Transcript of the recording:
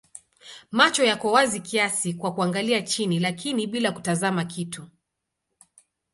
Macho yako wazi kiasi kwa kuangalia chini lakini bila kutazama kitu.